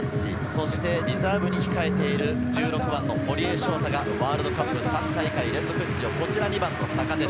そしてリザーブに控えている１６番の堀江翔太が、ワールドカップ３大会連続出場。